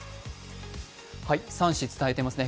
３紙、伝えていますね。